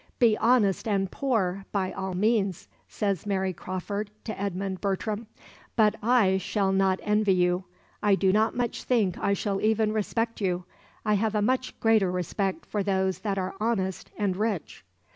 "Be honest and poor, by all means" says Mary Crawford to Edmund Bertram "but I shall not envy you; I do not much think I shall even respect you. I have a much greater respect for those that are honest and rich."